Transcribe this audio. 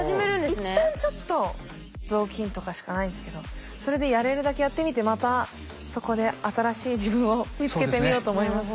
一旦ちょっと雑巾とかしかないんですけどそれでやれるだけやってみてまたそこで新しい自分を見つけてみようと思います。